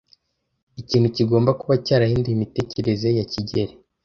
Ikintu kigomba kuba cyarahinduye imitekerereze ya kigeli.